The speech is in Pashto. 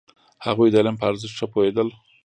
هغوی د علم په ارزښت ښه پوهېدل.